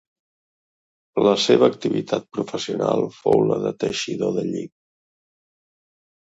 La seva activitat professional fou la de teixidor de lli.